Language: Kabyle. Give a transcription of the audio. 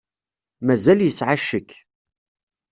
Mazal yesεa ccek.